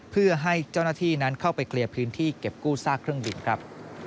เพื่อให้เจ้าหน้าที่นั้นเข้าไปเคลียร์พื้นที่เก็บกู้ซากเครื่องบินครับ